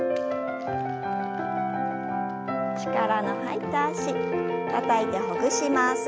力の入った脚たたいてほぐします。